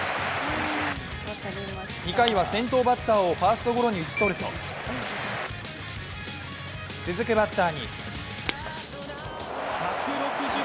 ２回は先頭バッターをファーストゴロに打ち取ると続くバッターに！